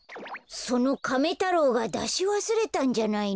そのカメ太郎がだしわすれたんじゃないの？